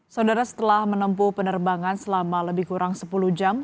saudara setelah menempuh penerbangan selama lebih kurang sepuluh jam